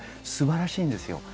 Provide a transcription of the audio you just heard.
素晴らしいです。